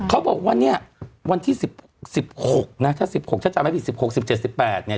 เขาบอกว่าเนี้ยวันที่สิบสิบหกนะถ้าสิบหกถ้าจำไม่ผิดสิบหกสิบเจ็ดสิบแปดเนี้ย